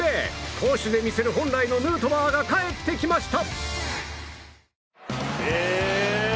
攻守で見せる、本来のヌートバーが帰ってきました！